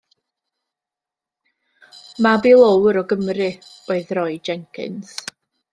Mab i löwr o Gymru oedd Roy Jenkins.